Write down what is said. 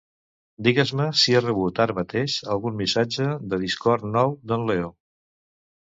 Digues-me si he rebut ara mateix algun missatge de Discord nou d'en Leo.